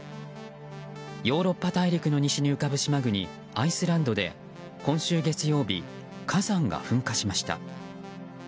ヨーロッパ大陸の西に浮かぶ島国アイスランドで今週月曜日、火山が噴火しました。